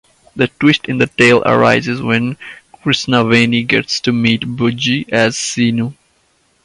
The twist in the tale arises when Krishnaveni gets to meet Bujji as Seenu.